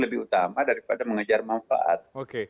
lebih utama daripada mengejar manfaat